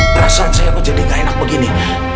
perasaan saya menjadi gak enak begini